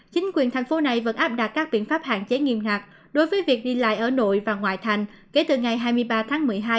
chính quyền thành phố này vẫn áp đặt các biện pháp hạn chế nghiêm ngặt đối với việc đi lại ở nội và ngoại thành kể từ ngày hai mươi ba tháng một mươi hai